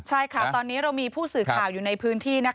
ใช่ค่ะตอนนี้เรามีผู้สื่อข่าวอยู่ในพื้นที่